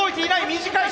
短い！